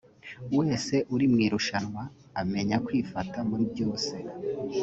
wese uri mu irushanwa amenya kwifata d muri byose